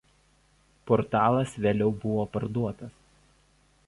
Portalas vėliau buvo parduotas.